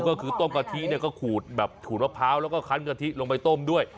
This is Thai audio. ก็คือต้มกะทิเนี่ยก็ขูดแบบขูดมะพร้าวแล้วก็คันกะทิลงไปต้มด้วย